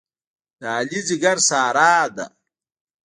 د علي ځېګر ساره ده.